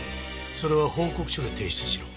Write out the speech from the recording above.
それは報告書で提出しろ。